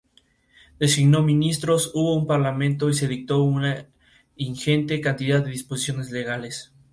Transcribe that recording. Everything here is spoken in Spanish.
Designó ministros, hubo un parlamento y se dictó una ingente cantidad de disposiciones legales.